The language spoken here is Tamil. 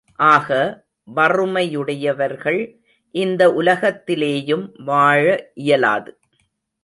ஆக, வறுமையுடையவர்கள் இந்த உலகத்திலேயும் வாழ இயலாது!